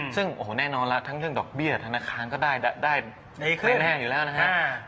ซึ่งโอ้โหแน่นอนแล้วทั้งเรื่องดอกเบี้ยธนาคารก็ได้ไม่แน่อยู่แล้วนะฮะ